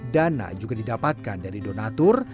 dana juga didapatkan dari donatur